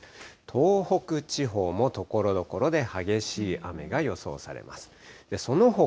東北地方もところどころで激しい雨が予想されます。